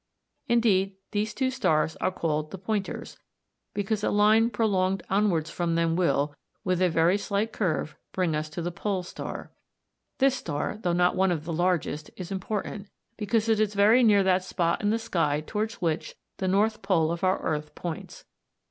Indeed these two stars are called "the Pointers," because a line prolonged onwards from them will, with a very slight curve, bring us to the "Pole star" (see Fig. 58). This star, though not one of the largest, is important, because it is very near that spot in the sky towards which the North Pole of our earth points.